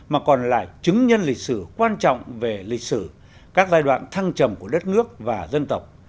mà còn là chứng nhân lịch sử quan trọng về lịch sử các giai đoạn thăng trầm của đất nước và dân tộc